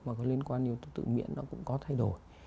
mà có liên quan đến yếu tố tự miễn nó cũng có thay đổi